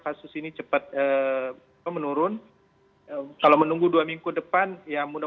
kasus ini cepat menurun kalau menunggu dua minggu depan ya mudah mudahan